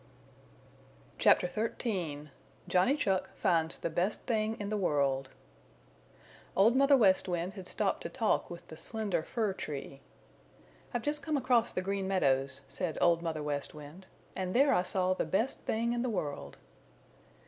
CHAPTER XIII JOHNNY CHUCK FINDS THE BEST THING IN THE WORLD Old Mother West Wind had stopped to talk with the Slender Fir Tree. "I've just come across the Green Meadows," said Old Mother West Wind, "and there I saw the Best Thing in the World."